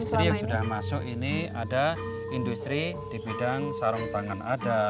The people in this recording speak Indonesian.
industri yang sudah masuk ini ada industri di bidang sarung tangan ada